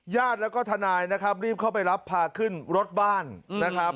ญาติแล้วก็ทนายนะครับรีบเข้าไปรับพาขึ้นรถบ้านนะครับ